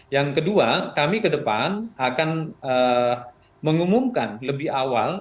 yang kedua kami ke depan akan mengumumkan lebih awal